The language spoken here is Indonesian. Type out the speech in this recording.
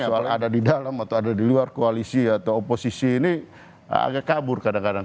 soal ada di dalam atau ada di luar koalisi atau oposisi ini agak kabur kadang kadang